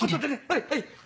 はいはい。